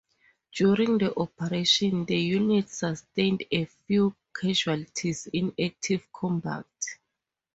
During the operation, the unit sustained a few casualties in active combat.